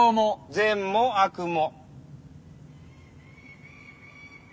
「善」も「悪」も。